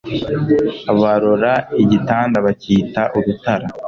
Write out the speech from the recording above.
Barora igitanda bacyita urutara